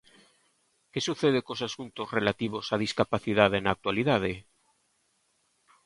¿Que sucede cos asuntos relativos á discapacidade na actualidade?